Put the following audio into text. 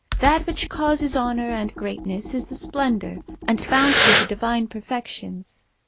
That which causes honour and greatness, is the splendour and bounty of the divine perfections.